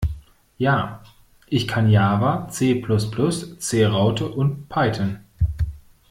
Ja, ich kann Java, C Plus Plus, C Raute und Python.